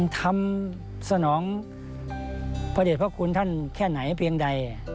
ทำสนองพระเด็จพระคุณท่านแค่ไหนเพียงใด